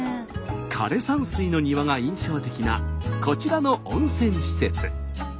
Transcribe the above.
枯れ山水の庭が印象的なこちらの温泉施設。